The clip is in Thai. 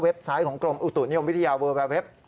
ไซต์ของกรมอุตุนิยมวิทยาเวอร์แวร์เว็บ